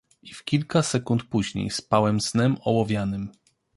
"I w kilka sekund później spałem snem ołowianym."